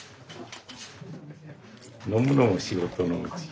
飲むのも仕事のうち。